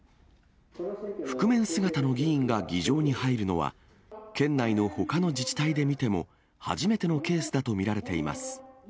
覆面姿の議員が議場に入るのは、県内のほかの自治体で見ても初めてのケースだと見られています。